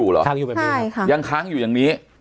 ระหว่างนี้คุณสมาร